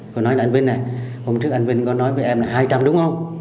còn nói là anh vinh này hôm trước anh vinh có nói với em là hai trăm linh đúng không